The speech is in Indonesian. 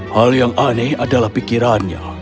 hal yang aneh adalah pikirannya